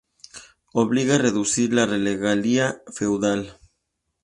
Obliga a reducir la regalía feudal.